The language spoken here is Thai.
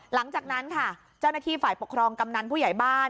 หลังจากนั้นค่ะเจ้าหน้าที่ฝ่ายปกครองกำนันผู้ใหญ่บ้าน